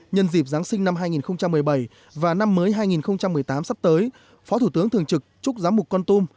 nhân dịp giáng sinh năm hai nghìn một mươi bảy và năm mới hai nghìn một mươi tám sắp tới phó thủ tướng thường trực chúc giám mục con tum